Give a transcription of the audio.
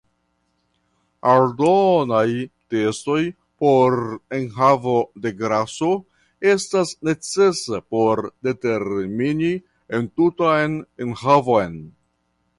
Aldonaj testoj por enhavo de graso estas necesa por determini entutan enhavon.